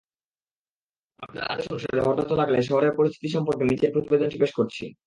আপনার আদেশ অনুসারে হরতাল চলাকালে শহরের পরিস্থিতি সম্পর্কে নিচের প্রতিবেদনটি পেশ করছি।